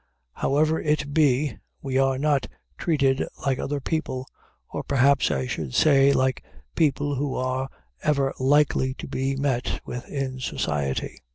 However it be, we are not treated like other people, or perhaps I should say like people who are ever likely to be met with in society.